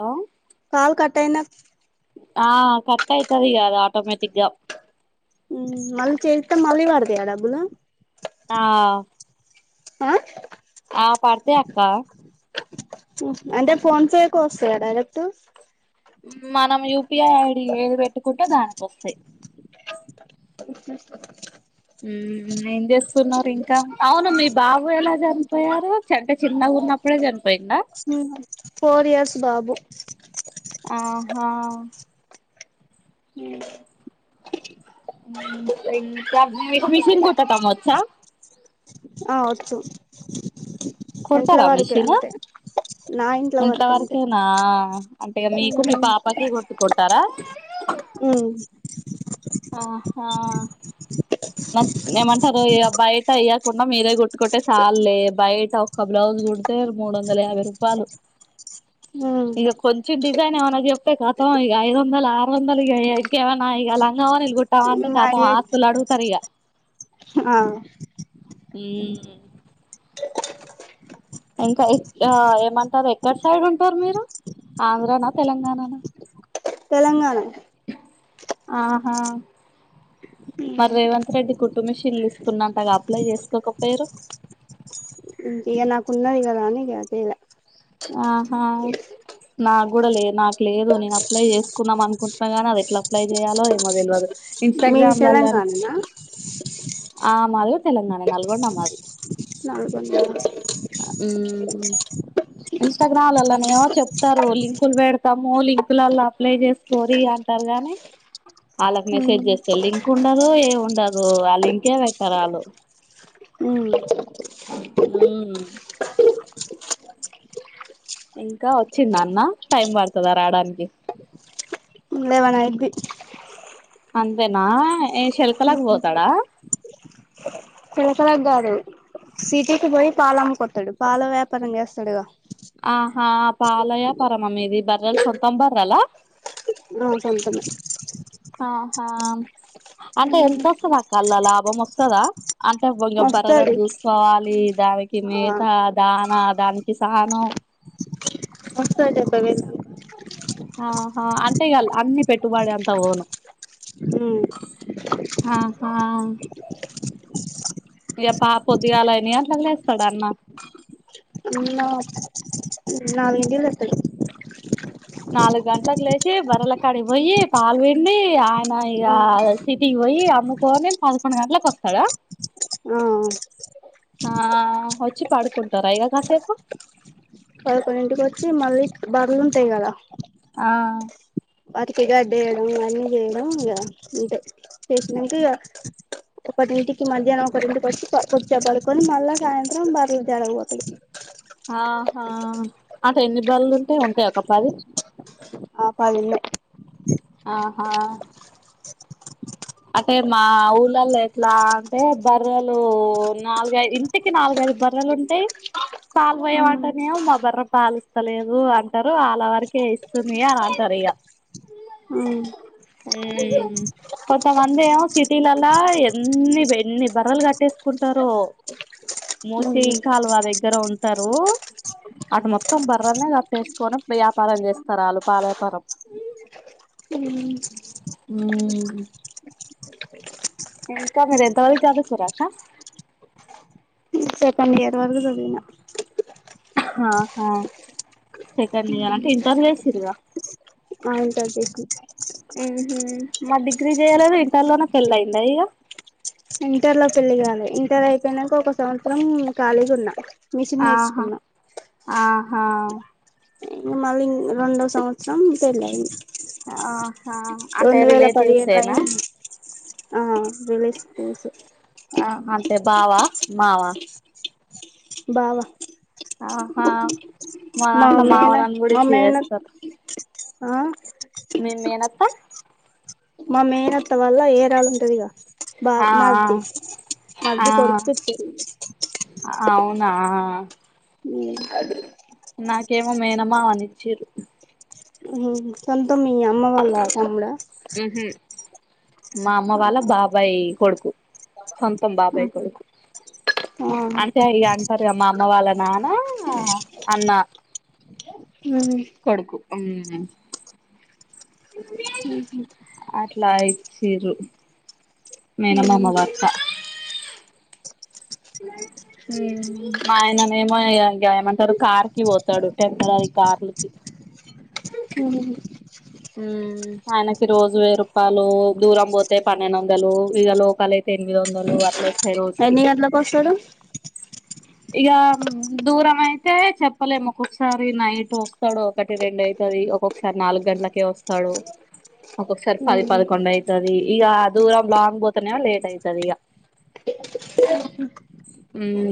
Hello call కట్టైన ఆ cut అయితదిగాద ఆటోమేటిక్ గా మళ్ళీ చెత్తే మళ్ళీ పడతాయా డబ్బులు ఆ ఆ ఆ పడతయక్క అంటే ఫోన్ పేకి వస్తాయా డైరెక్ట్ మనం యూపిఐ ఐడి ఏది పెట్టుకుంటే దానికి వస్తాయి ఉహు ఏం చేస్తున్నారు ఇంకా అవును మీ బాబు ఎలా జన్ పోయారు చెంటె చిన్నగా ఉన్నప్పుడే చనిపోయిండ ఫోర్ ఇయర్స్ బాబు ఆహ ఊ మీకు మిషిన్ కుట్టే పని వచ్చా ఆ వచ్చు కుడతార ఇంట్ల వరకే మిషిను అంతే నా ఇంట్ల ఇంట్లో వరకు అంతే వరికేనా అంటేగా మీకు మీ పాపకి కొట్టుకుంటారా ఉ అహా ఏమంటారు బయట ఇయ్యకుండా మీరే గుట్టుకుట్టే చాలే బయట ఒక బ్లౌజ్ కుడితే మూడు వందల యాభై రూపాయలు ఇగ కొన్ వచ్చిన డిజైన్ ఏమైనా చెప్తే కతం ఇగ ఐదు వందలు ఆరు వందలు ఇగ ఏమైన్నా ఇగ లంగా ఓణిలు కా అంటే ఉమ్ కతం అయ్యే ఆస్తులు అడుగుతారు ఇగ ఆ ఊ ఇంకా ఆ ఏమంటారు ఎక్కడ సైడ్ ఉంటారు మీరు ఆంధ్రనా తెలంగాణనా తెలంగాణ ఆహా మరి రేవంత్ రెడ్డి కుట్టు మిషన్లు ఇస్తునంటగా అప్లై చేసుకోకపోయిరు ఇగ నాకు ఉన్నది కదా అని ఇగ చెయ్ల ఆహా నా కూడా లే నాకు లేదు నేను అప్లై చేసుకున్నాం అనుకుంటున్నా గానీ అది ఎట్లా అప్లై చేయాలో ఏమో తెల్వదు మీది ఇన్స్టాగ్రామ్లాలా తెలంగాణనా ఆ మాది కూడా తెలంగాణ నల్గొండ మాది నల్గొండ ఊ ఇన్స్టాగ్రామ్లల్లనేమో చెప్తారు లింకులు పెడతాము లింకులల్ల అప్లై చేసుకోరి అని తరగానే ఆళ్ళకి ఉమ్ మెసేజ్ చేస్తే లింక్ ఉండదు ఏ ఉండదు ఆ లింకే పెట్టరు ఆళ్ళు ఊ ఊ ఇంకా వచ్చిండ అన్న టైం పడుతదా రాడానికి లేవన్ అయిద్ధి అంతెనా ఏ శల్కలక్ పోతడా శలకలకు కాదు సిటీకి పోయి పాల అమ్ముకతడు పాల వ్యాపారం చేస్తాడుగా ఆహా పాల యాపారమ మీది బర్రల్ సొంత బర్రల నవు సొంతం ఆహా అంటే ఎంతొస్తదక్క అల్ల లాభం వస్తదా అంటే బొంగ బరలను వస్తది చూసుకోవాలి దానికి ఆ మెతా దానా దానికి సానం వస్తయ్ డెబై వేళకి ఆహా అంటె ఇగ అల్ల అన్ని పెట్టుబడి అంతా ఓను ఊ ఆహా ఇగ పా పొద్దిగాల ఎన్ని గంటలకు లేస్తాడు అన్నా అన్న నాలుగింటికి లేస్తడు నాలుగు గంటలకు లేచి బర్రల కాడి పోయి పాలు విండి ఆయన ఇగ సిట్ టీకి పోయి అమ్ముకోని పదకొండు గంటలకు వస్తడా ఆ ఆ వచ్చి పడుకుంటారా ఇక కాసేపు పదకొండింటికి వచ్చి మళ్ళీ బర్లుంటయి కదా ఆ వాటికీ గడ్డేయడం ఇవన్నీ చేయడం ఇక ఉంటయి చేసినంక ఇక ఒకటింటికి మధ్యాహ్నం ఒకటింటికీ వచ్చి కొదసేపు పడుకొని మళ్ళా సాయంత్రం బర్ల జాడకుపోతడు ఆహా అట ఎన్ని బళ్లుంటే ఉంటాయి ఒక పది ఆ పది వున్నయ్ ఆహా అంటే మా ఊళ్ళల్లో ఎట్లా అంటే బర్రలు నాలుఐదు ఇంటికి నాలుగైదు బర్రలు ఉంటాయి పాల్ అవునా పోయమంటనెమో మా బర పాలిస్తలేదు అంటారు అలా వరకే ఇస్ సునయా రాసారు ఇగ ఉమ్ ఊ కొంతమంది ఏమో సిటీలలా ఎన్ని ఎన్ని బర్రలు కట్టేసుకుంటరో మూసి ఉమ్ కాల్వా దగ్గర ఉంటారు అటు మొత్తం బర్రనే కట్టేసుకొని వ్యాపారం చేస్తారు వాళ్లు పాల వ్యాపారం ఊ ఇంకా మీరెంత వరకు చదుకురు అక్క కానీ ఎరు [unintelligible] దిన ఆహా సెకండ్ ఇయర్ అంటే ఇంటర్ ఏసిరగ ఇగ అంత జెగ్గు ఊహు మరి డిగ్రీ చేయలేద ఇంటర్లోనే పెళ్లయిందా ఇక ఇంటర్ లో పెళ్లి కాలే ఇంటర్ అయిపోయినాక ఒక సంవత్సరం ఖాళిగా ఉన్నా మిషన్ ఆహా నేర్చుకున్నా ఆహా ఈ మళ్ళీ ఇంగ రెండో సంవత్సరం పెళ్లి ఐంది ఆహా అంటే రిలేటివ్స్ పదిహేడులో ఏనా అయింది ఆ రివర్స్ కుసో ఆ అంతె బావా మావా బావ ఆహా మా దాంట్లో మేన మావలని కూడా మా ఇచ్చి మేన చేస్తారు ఆ [unintelligible] మేనత్త మా మేహనత వల్ల [unintelligible] ఆ బమర్ది ఆ మర్ది కొ ఆ [unintelligible] అవునా ఉ అదే నాకేమో మేనమమా [unintelligible] సొంతమి అమ్మ వాళ్ళ తమ్ముడ ఉహు మా అమ్మ వాళ్ళ బాబాయ్ కొడుకు సొంతం బాబాయ్ కొడుకు ఆ అంటే ఇగ అంటారు మా అమ్మ వాళ్ళ నాన్న అన్న ఆ కొడుకు అట్లా యిచిరు మేనమామ ఎన్ని [unintelligible] ఉ మా ఆయననేమోయమంటారు కార్ కి పోతాడు టెంత అది కార్లకి హ ఉ ఆయనకి రోజు వయ్యి రూపాయలు దూరం పోతే పన్నెండు వందలు ఇక లోకల అయితే ఎనిమిది వందలు అ అట్లా వస్తాయ్ రోజుకి గంటలకు వస్తాడు ఇక దూరం అయితే చెప్పలేము ఒక్కొక్కసారి నైట్ వస్తాడు ఒకటి రెం అయితది ఒక్క సార్ నాలుగు గంటలకే వస్తాడు ఒక్కొక్కసారి పది పదకొండు అవుతది ఈక దూరం లాంగ్ పోతనేవా లేట్ అవుతది ఇగ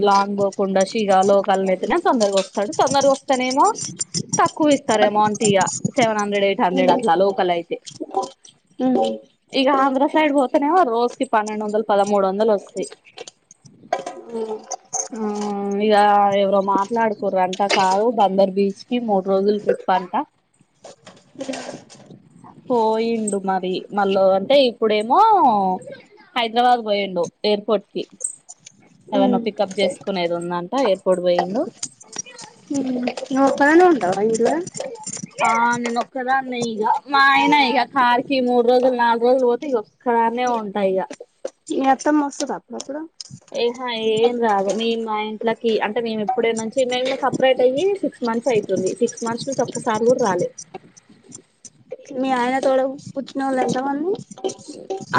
లాన్ పోకుండా షగా లోకాలని అయితేనే తొందరగా వస్తాడు తొందరగా వస్తానేమ తక్కువ ఇస్తారు అమౌంట ఇయా సెవెన్ హండ్రెడ్ ఎయిట్ హండ్రెడ్ అట్లా లోకల్ అయితే ఉ ఇక ఆంధ్ర సైడ్ పోతేనేవా రోజు కి పన్నెండు వందలు పదమూడు వందలు వస్తాయ్ ఉ ఆ ఇక ఎవరో మాట్లాడుకోర అంటా కారు బందర్ బీచ్ కి మూడు రోజులు ట్రి [unintelligible] ధన్యవా పోయిండు మరి మళ్ళ అంటే ఇప్పుడేమో హైదరాబాద్ పోయండు ఎయిర్పోర్ట్కి ఎవరినో పికప్ చేసుకునేది ఉందంట ఎయిర్పోర్ట్ పోయిండు నువ్వు ఒక్కదనివే [unintelligible] ఆ నేను ఒక్కదానే [unintelligible] మా ఆయన ఇక కార్కి మూడు రోజులు నాలుగు రోజులు పోతే ఇక ఒక్కదా ఉంటా ఇగ మీ అత్తమ్మ వస్తాద అపుడుప్పుడు హా ఏం రాదు మీ మా ఇంట్లకి అంటే మేము ఎప్పుడే నుంచి మిని సపరేట్ అయ్యి సి మంత్స్ అయితుంది సిక్స్ మంత్స్ నుంచి ఒక్కసారి కూడ రాలే మీ ఆయనా తోడ పుట్టినోళ్లు ఎంత మంది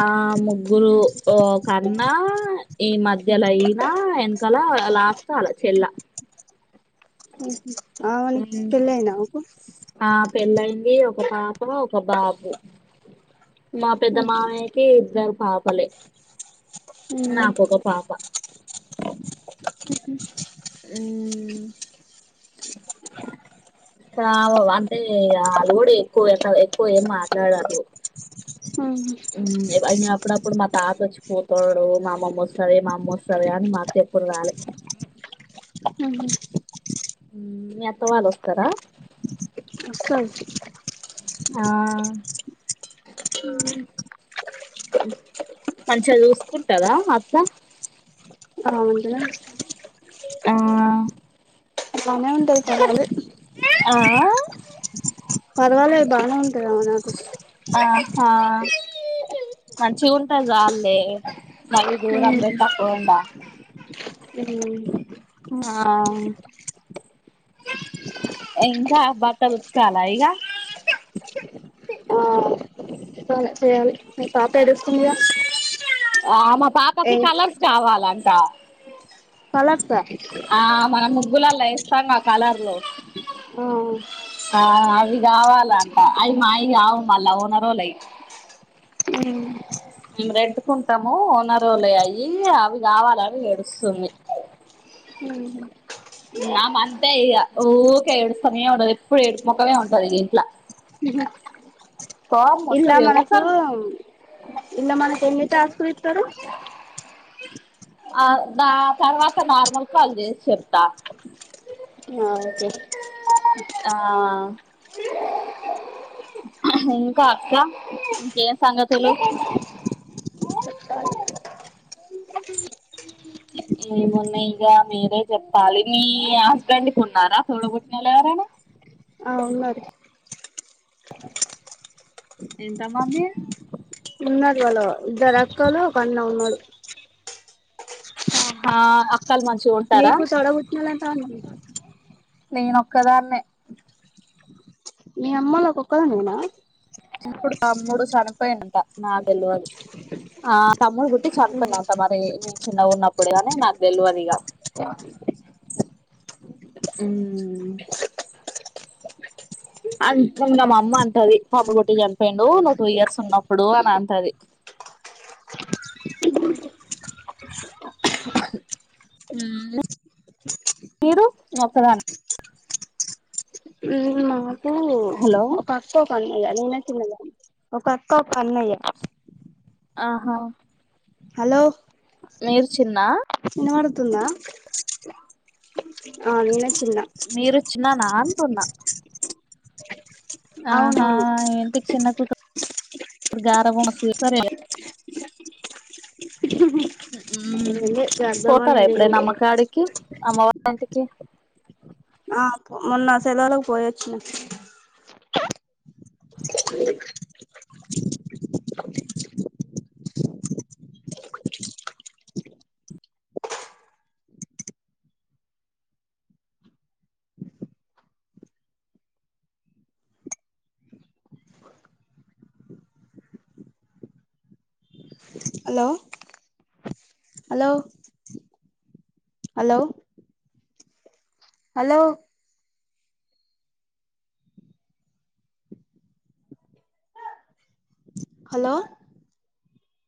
ఆ ము గ్గురు ఓకన్నా ఈ మధ్యల అయినా వెనకాల లాస్ట్ వాళ్ళ చెల్ల అవును ఉమ్ పెళ్లి అయ్యిందా ఆమేకు ఆ పెళ్ళయింది ఒక పాప ఒక బాబు మా పెద్ద మామయ్యకి ఇద్దరు పాపలే నాకొక పాప మ్ కావ్ అంటే ఆళ్ళు కూడా ఎక్కువ పెట్ ఎక్కువ ఏం మాట్లాడరు మ్ హు మ్ అయినా అప్పుడప్పుడు మా తాత వచ్చిపోతాడు మా అమ్మమ్మ వస్తాది మా అమ్మ వస్తాది గానీ మా ఎప్పుడూ రాలే అవునా మ్ మీ అత్త వాళ్ళు వస్తరా వస్తది ఆ మంచిగా చూసుకుంటదా మ అత్త అ అంటద ఆ బానే ఉంటది పర్వాలేదు ఆ పర్వాలే బానే ఉంటదమే నాతోకు ఆహా మంచిగుంటే సాల్లే మరి దూరం పెట్టకుండా మ్ ఆ ఇంకా బట్టలు ఉతుకాలా ఇగా ఆ ఉతకలే చెయాలే మీ పాప ఏడుస్తుంది గా ఆ మా పాపకి కలర్స్ కావాలంట కలర్సా ఆ మనం ముగ్గులళ్ళ ఏస్తంగా కలర్లు ఆ ఆ ఆ అవి కావాలంట అవి మావి కావు మళ్ళా ఓనరోల్లై మ్ మీము రెంటుకుంటాము ఓనరోలాయ్ అయి అవి కావాలని ఏడుస్తుంది మ్ హు నా అంతే ఇగ ఊరికే ఏడుస్తానే ఉంటది ఎప్పుడు ఏడుపు మోకమే ఉంటది ఇగా ఇంట్ల కోపం ఇళ్ల వస్తది మనకు ఒక్కొక్కసారి ఇళ్ల మనకు ఎన్ని టాస్కులు ఇస్తారు ఆ ద తర్వాత నార్మల్ కాల్ చేసి చెప్తా ఆ ఒకే ఆ ఇంకా అట్లా ఇంకేం సంగతులు చెప్పాలి ఏమున్నాయి ఇగ మీరే చెప్పాలి మీ హస్బెండ్కి ఉన్నారా తోడబుట్టినొల్లు ఎవరైనా ఆ ఉన్నారు ఎంత మంది ఉన్నారూ వాళ్ళ ఇద్దరు అక్కలు ఒక అన్న ఉన్నాడు. హా అ కల్ మంచిగు. నీకు తోడ బుట్టినోళ్ళు ఎంతమంది ఉన్నారు. నేనొక్కదాన్నే. మీ అమ్మోళ్లకు ఒక్క దానివేన. ఇప్పుడు తమ్ముడు చనిపోయిండట నాకు తెలువదు ఆ తమ్ముడు పుట్టి. చని పోయిండట మరి. చిన్నగున్నప్పుడు గానీ నాకు తెలివదిగా. ఉ. అన్ ఇంగ మా అమ్మ అంటది బాబు పుట్టి చనిపోయిండు నువ్వు టూ ఇయర్స్ ఉన్నప్పుడు అని అంటది మ్మ్ మీరు నేనొక్కదాన్ ఊ మాకు హలో ఒక అక్క ఒక అన్నయ్య నేనే చిన్నదాన్ని ఒక అక్క ఒక అన్నయ్య ఆహా హలో మీరు చిన్న వినబడుతుందా ఆ నేనే చిన్న మీరు చిన్ననా అంటున్నా ఆహా అవునవును ఇంటికి చిన్న కుతురు గారాబం చేస్ సరే మ్మ్ ఏంలే గర్భం పోతారా అనేది ఏం ఎప్పుడైనా లే అమ్మకాడికి అమ్మవారి ఇంటికి ఆ మొన్న సెలవులకి పోయొచ్చున hello hello hello hello hello